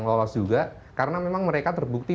lolos juga karena memang mereka terbukti